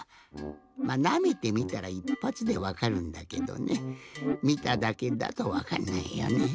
まなめてみたらいっぱつでわかるんだけどねみただけだとわかんないよね。